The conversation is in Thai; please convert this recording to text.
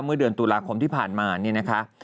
เมื่อเดือนตุลาคมที่ผ่านมาเนี่ยนะคะ